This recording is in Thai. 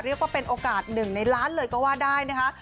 เรียกว่าเป็นโอกาสหนึ่งในล้านเลยก็ว่าได้นะคะ